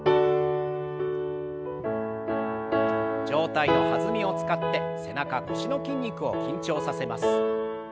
上体の弾みを使って背中腰の筋肉を緊張させます。